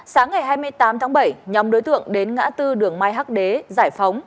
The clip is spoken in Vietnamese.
sáng ngày hai mươi tám tháng bảy nhóm đối tượng đến ngã tư đường mai hắc đế giải phóng